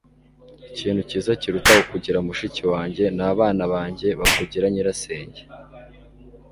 ikintu cyiza kuruta kukugira mushiki wanjye ni abana banjye bakugira nyirasenge